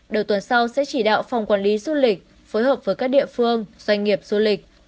đầu tuần sau sẽ chỉ đạo phòng quản lý du lịch phối hợp với các địa phương doanh nghiệp du lịch